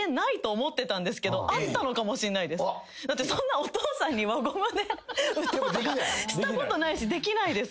だってそんなお父さんに輪ゴムで撃とうとかしたことないしできないです。